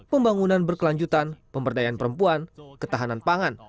pembangunan berkelanjutan pemberdayaan perempuan ketahanan pangan